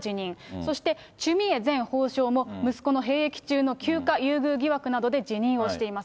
そして、チュ・ミエ前法相も、息子の兵役中の休暇優遇疑惑などで辞任をしています。